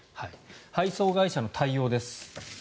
配送会社の対応です。